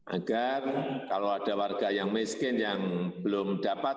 agar kalau ada warga yang miskin yang belum dapat